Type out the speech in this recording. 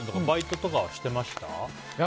バイトとかはしてました？